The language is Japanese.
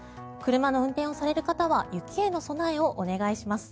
車の運転をされる方は雪への備えをお願いします。